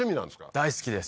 大好きです